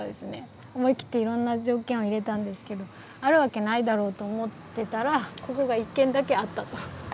思い切っていろんな条件を入れたんですけどあるわけないだろうと思ってたらここが１軒だけあったと。